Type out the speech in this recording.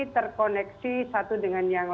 terkoneksi satu dengan yang